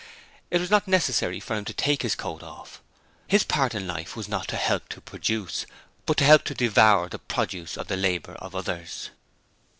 It was not necessary for him to take his coat off: his part in life was not to help to produce, but to help to devour the produce of the labour of others.